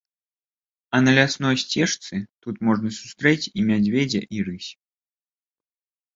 А на лясной сцежцы тут можна сустрэць і мядзведзя, і рысь.